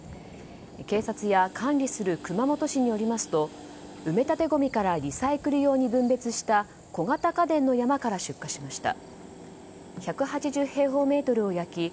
警察や管理する熊本市によりますと埋め立てごみからリサイクル用に分別した小型家電の山から出火しました。